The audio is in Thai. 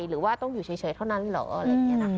หรือว่าต้องอยู่เฉยเท่านั้นเหรออะไรอย่างนี้นะคะ